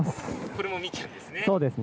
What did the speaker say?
これもみきゃんですね。